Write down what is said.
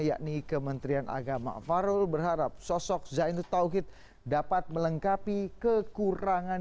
hal itu akan diterapkan juga dalam kementerian agama